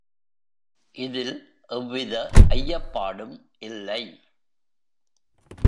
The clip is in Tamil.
இதில் எவ்வித ஐயப்பாடும் இல்லை.